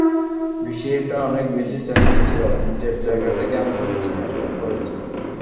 বিষয়টা অনেক বেশি চ্যালেঞ্জিং ছিল, নিজের জায়গা থেকে আমি সর্বোচ্চ চেষ্টা করেছি।